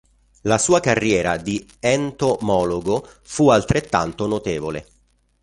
La sua carriera di entomologo fu altrettanto notevole.